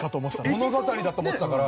物語だと思ってたから。